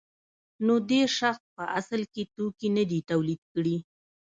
نو دې شخص په اصل کې توکي نه دي تولید کړي